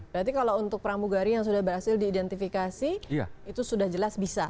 berarti kalau untuk pramugari yang sudah berhasil diidentifikasi itu sudah jelas bisa